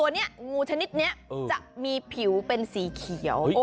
เนี่ยงูชนิดนี้จะมีผิวเป็นสีเขียว